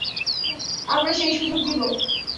আমরা সেই সুযোগ নিব।